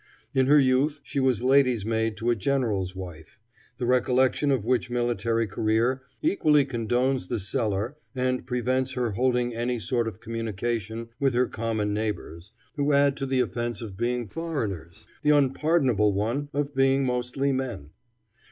In her youth she was lady's maid to a general's wife, the recollection of which military career equally condones the cellar and prevents her holding any sort of communication with her common neighbors, who add to the offense of being foreigners the unpardonable one of being mostly men.